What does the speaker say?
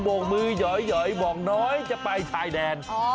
กมือหยอยบอกน้อยจะไปชายแดน